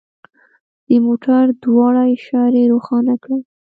د موټر دواړه اشارې روښانه کړئ